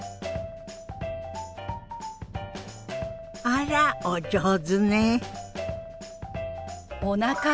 あらお上手ね。